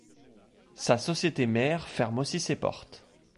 Sa société-mère ferme aussi ses portes.